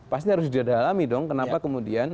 pasti harus didalami dong kenapa kemudian